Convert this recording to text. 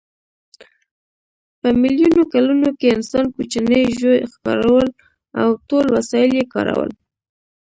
په میلیونو کلونو کې انسان کوچني ژوي ښکارول او ټول وسایل یې کارول.